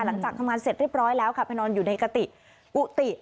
หลังจากทำงานเสร็จเรียบร้อยแล้วค่ะไปนอนอยู่ในกติกุฏิ